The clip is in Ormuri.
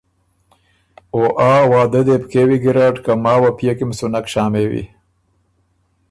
او آ وعدۀ دې بو کېوی ګیرډ که ماوه پئے کی م سُو نک شامېوی